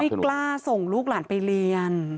กล้าส่งลูกหลานไปเรียน